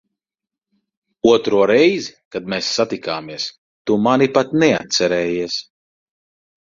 Otro reizi, kad mēs satikāmies, tu mani pat neatcerējies.